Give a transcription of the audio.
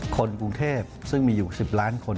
คนกรุงเทพซึ่งมีอยู่๑๐ล้านคน